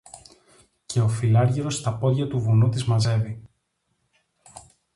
και ο φιλάργυρος στα πόδια του βουνού τις μαζεύει.